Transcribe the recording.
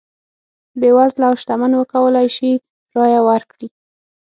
بېوزله او شتمن وکولای شي رایه ورکړي.